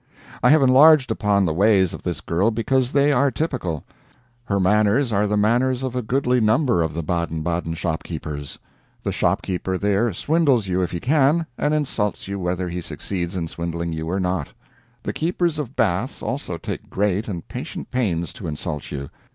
I have enlarged upon the ways of this girl because they are typical; her manners are the manners of a goodly number of the Baden Baden shopkeepers. The shopkeeper there swindles you if he can, and insults you whether he succeeds in swindling you or not. The keepers of baths also take great and patient pains to insult you.